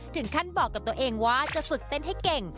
ถึงขั้นบอกกับตัวเองว่าจะฝึกเต้นให้เก่ง